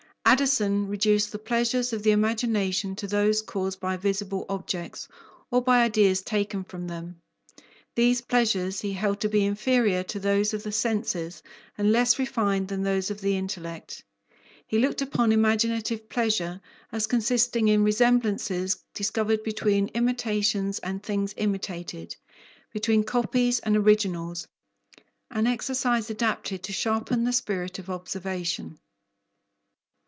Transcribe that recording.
Addison reduced the pleasures of the imagination to those caused by visible objects, or by ideas taken from them. These pleasures he held to be inferior to those of the senses and less refined than those of the intellect. He looked upon imaginative pleasure as consisting in resemblances discovered between imitations and things imitated, between copies and originals, an exercise adapted to sharpen the spirit of observation.